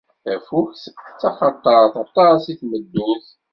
Tafukt d taxatart aṭas i tmeddurt.